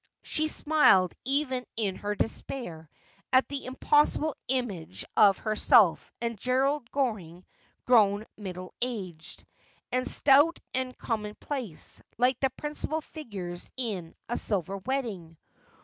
She smiled even in her despair at the impossible image of herself and Gerald Goring grown middle aged and stout and commonplace, like the principal figures in a silver wedding.